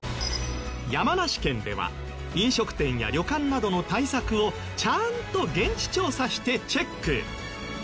山梨県では飲食店や旅館などの対策をちゃんと現地調査してチェック。